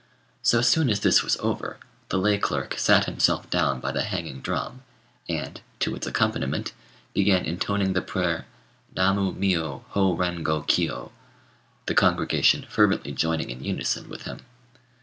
So soon as this was over, the lay clerk sat himself down by the hanging drum, and, to its accompaniment, began intoning the prayer, "Na Mu Miyô Hô Ren Go Kiyô," the congregation fervently joining in unison with him.